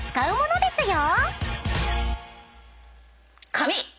紙。